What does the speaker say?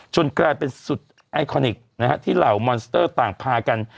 กลายเป็นสุดไอคอนิกส์ที่เหล่ามอนสเตอร์ต่างพากัน